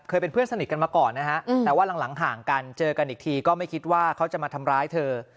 เป็นเพื่อนสนิทกันมาก่อนนะฮะแต่ว่าหลังห่างกันเจอกันอีกทีก็ไม่คิดว่าเขาจะมาทำร้ายเธอ